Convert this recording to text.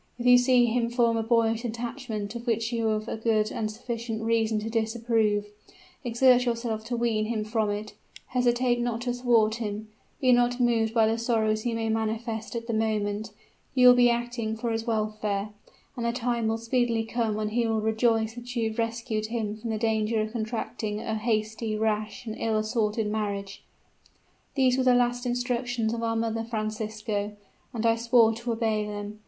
If you see him form a boyish attachment of which you have good and sufficient reason to disapprove, exert yourself to wean him from it: hesitate not to thwart him; be not moved by the sorrows he may manifest at the moment; you will be acting for his welfare; and the time will speedily come when he will rejoice that you have rescued him from the danger of contracting a hasty, rash, and ill assorted marriage.' These were the last instructions of our mother, Francisco; and I swore to obey them.